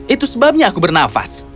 itu sebabnya aku bernafas